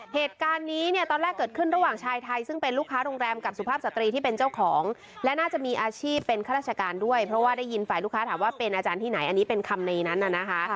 เหตุการณ์นี้เนี่ยตอนแรกเกิดขึ้นระหว่างชายไทยซึ่งเป็นลูกค้าโรงแรมกับสุภาพสตรีที่เป็นเจ้าของและน่าจะมีอาชีพเป็นข้าราชการด้วยเพราะว่าได้ยินฝ่ายลูกค้าถามว่าเป็นอาจารย์ที่ไหนอันนี้เป็นคำในนั้นน่ะนะคะ